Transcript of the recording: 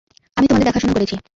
আমি তোমাদের দেখাশোনা করেছি।